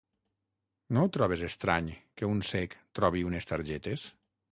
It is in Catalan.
No ho trobes estrany, que un cec trobi unes targetes?